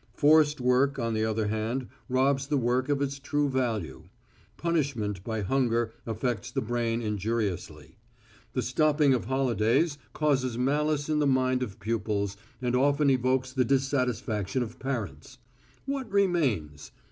Forced work, on the other hand, robs the work of its true value. Punishment by hunger affects the brain injuriously. The stopping of holidays causes malice in the mind of pupils, and often evokes the dissatisfaction of parents. What remains?